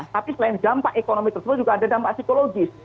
tapi selain dampak ekonomi tersebut juga ada dampak psikologis